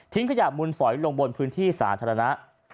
ขยะมูลฝอยลงบนพื้นที่สาธารณะ